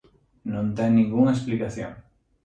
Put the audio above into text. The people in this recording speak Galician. Non ten ningunha explicación.